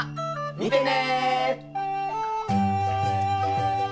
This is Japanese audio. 見てね。